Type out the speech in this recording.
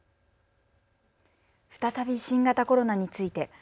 再び新型コロナについて。